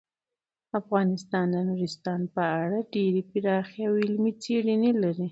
افغانستان د نورستان په اړه ډیرې پراخې او علمي څېړنې لري.